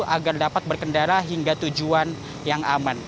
agar dapat berkendara hingga tujuan yang aman